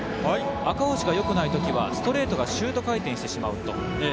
赤星がよくないときは、ストレートがシュート回転してしまうと。